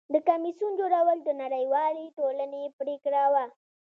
د کمیسیون جوړول د نړیوالې ټولنې پریکړه وه.